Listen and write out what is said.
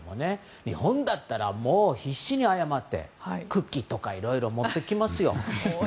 日本だったら、必死に謝ってクッキーとかいろいろ持っていきますよ。